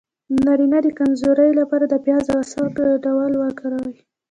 د نارینه د کمزوری لپاره د پیاز او عسل ګډول وکاروئ